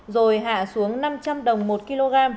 rồi hạ xuống năm trăm linh đồng một kg